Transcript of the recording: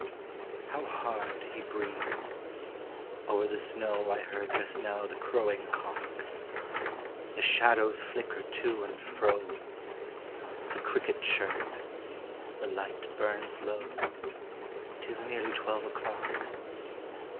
How hard he breathes! over the snow I heard just now the crowing cock. The shadows flicker to and fro : The cricket chirps: the light burns low: 'T is nearly twelve o'clock.